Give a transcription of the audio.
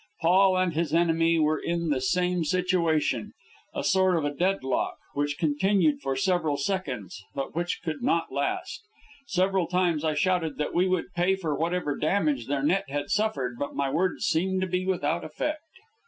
Paul and his enemy were in the same situation a sort of deadlock, which continued for several seconds, but which could not last. Several times I shouted that we would pay for whatever damage their net had suffered, but my words seemed to be without effect.